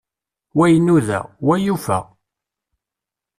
Wa inuda, wa yufa.